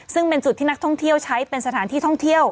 ซึ่งเป็นจุดที่นักท่องเที่ยวใช้เป็นสถานที่ท่องเที่ยว